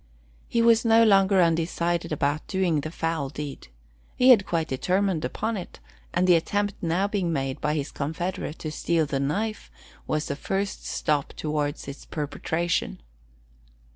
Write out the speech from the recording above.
He was no longer undecided about doing the foul deed. He had quite determined upon it; and the attempt now being made by his confederate to steal the knife was the first stop towards its perpetration.